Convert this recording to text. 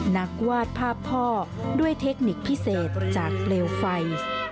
วาดภาพพ่อด้วยเทคนิคพิเศษจากเปลวไฟ